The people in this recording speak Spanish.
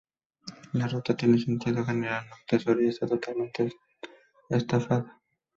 La ruta tiene sentido general norte-sur y está totalmente asfaltada.